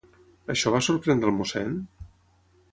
Això va sorprendre el mossèn?